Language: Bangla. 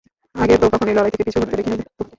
আগে তো কখনো লড়াই থেকে পিছু হঁটতে দেখিনি তোমাকে।